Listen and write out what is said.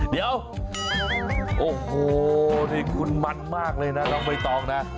เดี๋ยวโอ้โหนี่คุณมันมากเลยนะน้องใบตองนะ